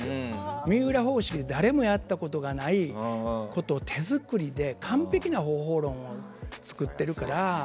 水卜方式で誰もやったことがないことを手作りで完璧な方法論を作っているから。